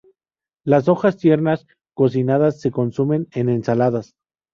Las hojas tiernas cocinadas se consumen en ensaladas.